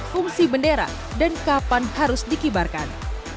fungsi bendera dan kapan harus dikibarkan